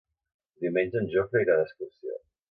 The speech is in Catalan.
Diumenge en Jofre irà d'excursió.